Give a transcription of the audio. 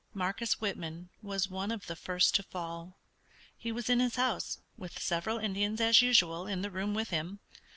Marcus Whitman was one of the first to fall. He was in his house, with several Indians as usual in the room with him.